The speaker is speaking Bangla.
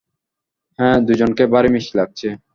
হ্যাঁ, দুজনকে ভারি মিষ্টি লাগছে।